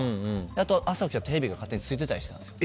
あと、朝起きたらテレビが勝手についてたりしたんですよ。